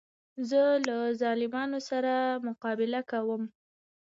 زه له ظالمو خلکو سره مقابله کوم.